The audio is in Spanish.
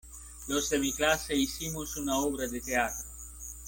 los de mi clase hicimos una obra de teatro.